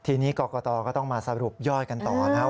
ทีนี้กรกตก็ต้องมาสรุปยอดกันต่อนะครับ